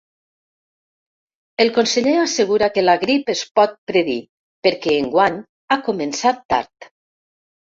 El conseller assegura que la grip es pot predir, perquè enguany ha començat tard.